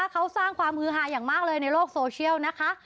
เขาสร้างความฮือหาอย่างมากเลยในโลกโซเชียลนะคะ